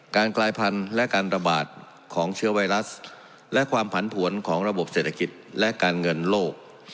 กลายพันธุ์และการระบาดของเชื้อไวรัสและความผันผวนของระบบเศรษฐกิจและการเงินโลก